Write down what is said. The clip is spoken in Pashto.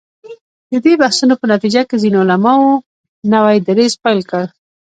د دې بحثونو په نتیجه کې ځینو علماوو نوی دریځ خپل کړ.